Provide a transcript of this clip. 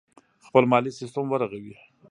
خپل مالي سیستم ورغوي.